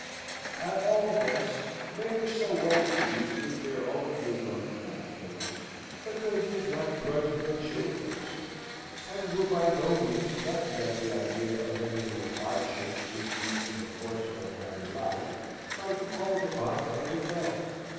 ] At all events, they were so well pleased with their own good luck in matrimony, that they did not grudge their children's, and were by no means frightened at the idea of any little hardships which we in the course of our married life might be called upon to undergo.